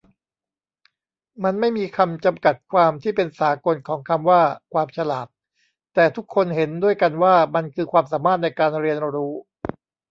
มันไม่มีคำจัดกัดความที่เป็นสากลของคำว่า ความฉลาด แต่ทุกคนเห็นด้วยกันว่ามันคือความสามารถในการเรียนรู้